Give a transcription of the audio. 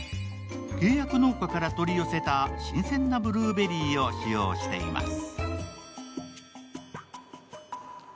契約農家から取り寄せた新鮮なブルーベリーを使用しています。